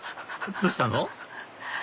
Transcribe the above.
どうしたの？